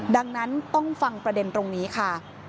ดังนั้นต้องฟังประเด็นตรงนี้ค่ะ